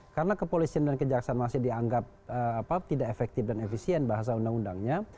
karena kepolisian dan kejaksaan masih dianggap tidak efektif dan efisien bahasa undang undangnya